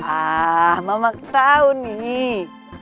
ah mamak tau nih